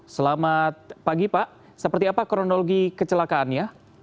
selamat pagi pak seperti apa kronologi kecelakaannya